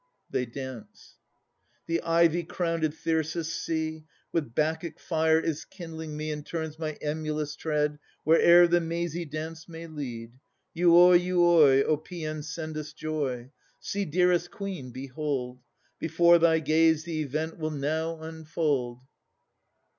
[They dance The ivy crownèd thyrsus, see! With Bacchic fire is kindling me, And turns my emulous tread Where'er the mazy dance may lead. Euoî! Euoî! O Paean! send us joy. See, dearest Queen, behold! Before thy gaze the event will now unfold.